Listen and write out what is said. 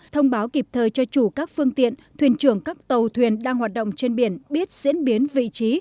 thông báo kịp thời cho chủ các phương tiện thuyền trưởng các tàu thuyền đang hoạt động trên biển biết diễn biến vị trí